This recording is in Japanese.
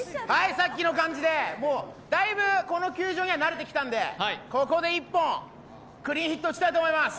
さっきの感じでだいぶこの球場には慣れてきたんで、ここで１本、クリーンヒット打ちたいと思います。